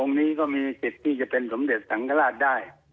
นี้ก็มีสิทธิ์ที่จะเป็นสมเด็จสังฆราชได้